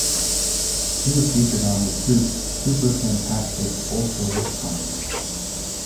He was featured on "The Soup"'s "Souper Fantastic Ultra Wish Time.